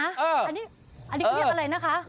อันนี้เขาเรียกอะไรนะคะ